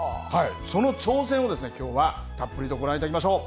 その挑戦をきょうはたっぷりとご覧いただきましょう。